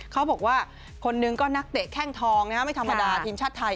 เขาบอกว่าคนหนึ่งก็นักเตะแข้งทองไม่ธรรมดาทีมชาติไทย